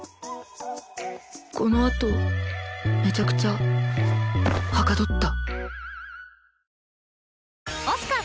このあとめちゃくちゃはかどった